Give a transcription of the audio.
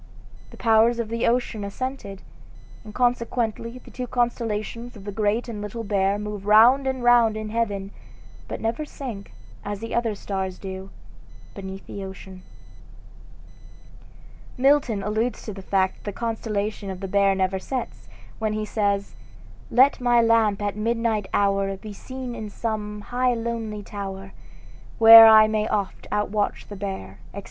The powers of the ocean assented, and consequently the two constellations of the Great and Little Bear move round and round in heaven, but never sink, as the other stars do, beneath the ocean. Milton alludes to the fact that the constellation of the Bear never sets, when he says: "Let my lamp at midnight hour Be seen in some high lonely tower, Where I may oft outwatch the Bear," etc.